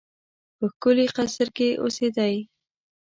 په ښکلي قصر کې اوسېدی.